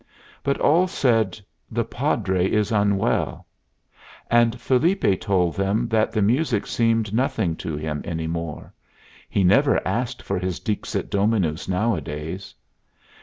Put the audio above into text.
But all said, "The Padre is unwell." And Felipe told them that the music seemed nothing to him any more; he never asked for his Dixit Dominus nowadays.